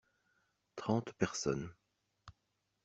Trente personnes.